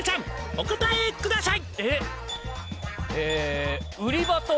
「お答えください」